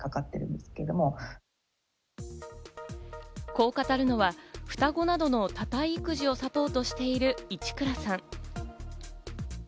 こう語るのは双子などの多胎育児をサポートしている市倉さん。